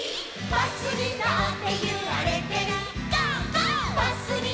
「バスにのってゆられてる」